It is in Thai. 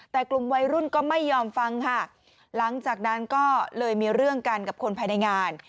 แต่กลุ่มวัยรุ่นก็ไม่ยอมฟังค่ะหลังจากนั้นก็เลยมีเรื่องกันกับคนภายในงาน